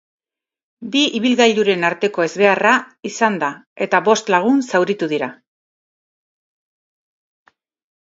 Bi ibilgailuren arteko ezbeharra izan da eta bost lagun zauritu dira.